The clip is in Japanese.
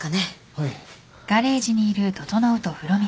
はい。